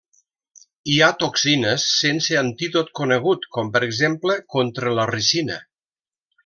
Hi ha toxines sense antídot conegut com per exemple contra la ricina.